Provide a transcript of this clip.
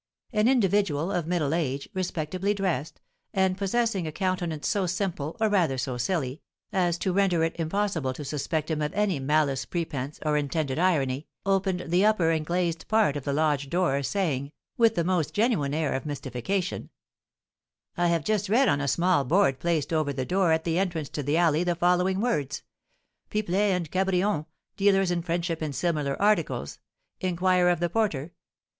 An individual of middle age, respectably dressed, and possessing a countenance so simple, or rather so silly, as to render it impossible to suspect him of any malice prepense or intended irony, opened the upper and glazed part of the lodge door, saying, with the most genuine air of mystification: "I have just read on a small board placed over the door, at the entrance to the alley, the following words: 'Pipelet and Cabrion, dealers in Friendship and similar Articles. Inquire of the Porter.'